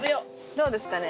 どうですかね？